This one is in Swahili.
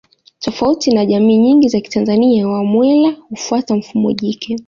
Tofauti na jamii nyingi za kitanzania Wamwera hufuata mfumo jike